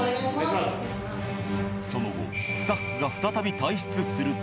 その後スタッフが再び退出すると。